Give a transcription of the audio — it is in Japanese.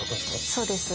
そうです。